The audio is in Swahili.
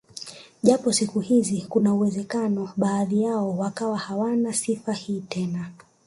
Japo siku hizi kuna uwezekano baadhi yao wakawa hawana sifa hii tena